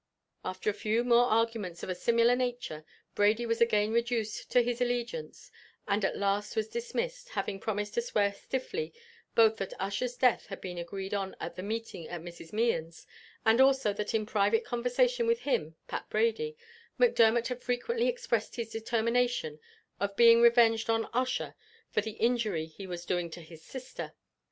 After a few more arguments of a similar nature, Brady was again reduced to his allegiance, and at last was dismissed, having promised to swear stiffly both that Ussher's death had been agreed on at the meeting at Mrs. Mehan's, and also that in private conversation with him (Pat Brady) Macdermot had frequently expressed his determination of being revenged on Ussher for the injury he was doing to his sister.